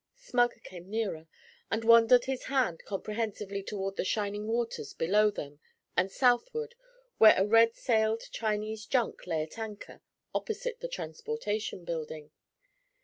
Smug came nearer, and waved his hand comprehensively toward the shining waters below them, and southward where a red sailed Chinese junk lay at anchor opposite the Transportation Building.